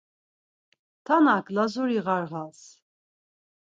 Tanak Lazuri ğarğals.